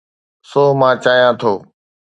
سو، مان چاهيان ٿو